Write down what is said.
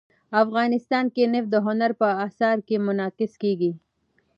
افغانستان کې نفت د هنر په اثار کې منعکس کېږي.